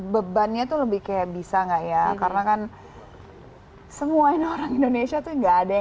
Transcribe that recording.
bebannya tuh lebih kayak bisa nggak ya karena kan semua ini orang indonesia tuh nggak ada yang